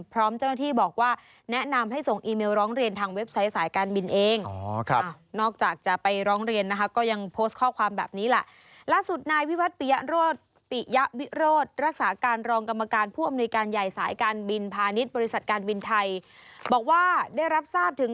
พร้อมเจ้าหน้าที่บอกว่า